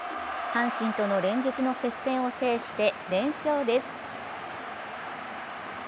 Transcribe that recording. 阪神との連日の接戦を制して連勝です。